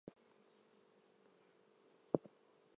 Cumberland was the original eastern terminus of the road.